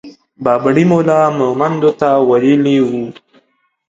بابړي ملا مهمندو ته ويلي وو.